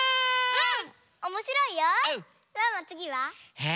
うん！